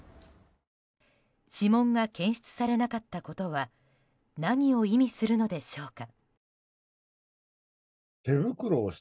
指紋が検出されなかったことは何を意味するのでしょうか。